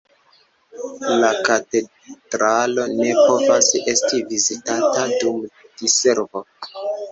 La katedralo ne povas esti vizitata dum diservo.